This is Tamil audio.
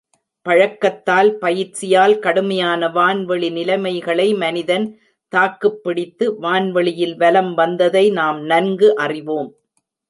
பழக்கத்தால், பயிற்சியால் கடுமையான வான்வெளி நிலைமைகளை மனிதன் தாக்குப் பிடித்து, வான்வெளியில் வலம் வந்ததை நாம் நன்கு அறிவோம்.